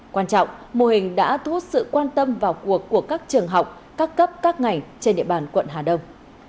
quan trọng mô hình đã thu hút sự quan tâm vào cuộc của các trường học các cấp các ngành trên địa bàn quận hà đông